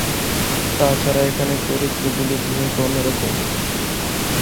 তাছাড়া এখানে চরিত্রগুলির ভূমিকাও অন্যরকম।